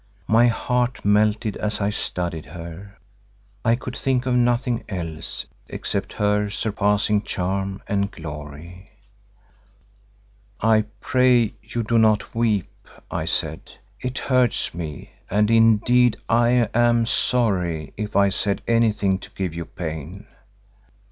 My heart melted as I studied her; I could think of nothing else except her surpassing charm and glory. "I pray you, do not weep," I said; "it hurts me and indeed I am sorry if I said anything to give you pain."